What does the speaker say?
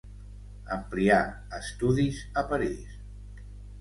Amplià estudis a París.